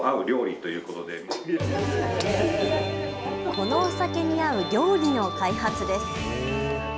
このお酒に合う料理の開発です。